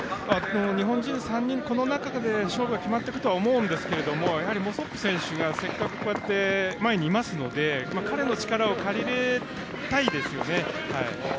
日本人３人、この中で勝負が決まっていくと思うんですけどモソップ選手がせっかく前にいますので彼の力を借りたいですよね。